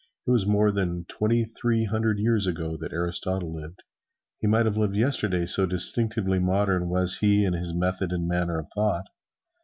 It was more than twenty three hundred years ago that Aristotle lived. He might have lived yesterday, so distinctively modern was he in his method and manner of thought.